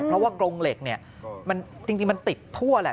เพราะว่ากรงเหล็กเนี่ยจริงมันติดทั่วแหละ